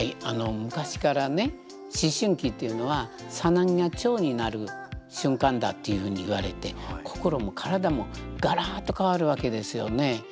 あの昔からね思春期っていうのは「サナギがチョウになる瞬間だ」っていうふうに言われて心も体もガラーッと変わるわけですよね。